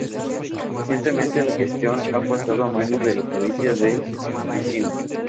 Recientemente, la gestión ha pasado a manos de la provincia de Mesina.